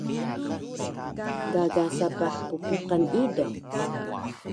Gaga sapah ppuqan ido